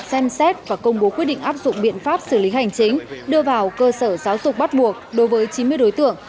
xem xét và công bố quyết định áp dụng biện pháp xử lý hành chính đưa vào cơ sở giáo dục bắt buộc đối với chín mươi đối tượng